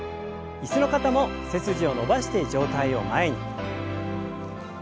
椅子の方も背筋を伸ばして上体を前に。